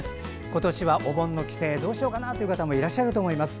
今年は、お盆の帰省どうしようかなという方もいらっしゃると思います。